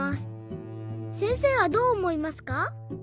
せんせいはどうおもいますか？